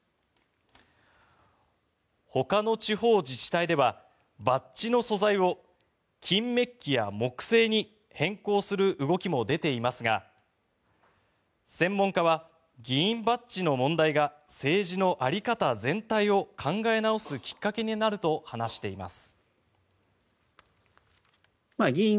ほかの地方自治体ではバッジの素材を金めっきや木製に変更する動きも出ていますが専門家は議員バッジの問題が政治の在り方全体を考え直すきっかけになると話しています。